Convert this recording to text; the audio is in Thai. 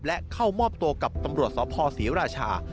และเข้ามอบตัวกับตำรวจสพศรีราชา